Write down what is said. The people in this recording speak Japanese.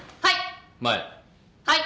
はい。